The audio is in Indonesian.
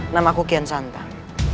namaku kian santan